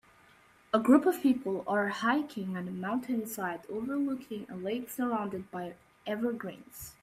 A group of people are hiking on a mountainside overlooking a lake surrounded by evergreens.